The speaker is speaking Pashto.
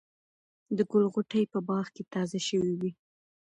د ګل غوټۍ په باغ کې تازه شوې وې.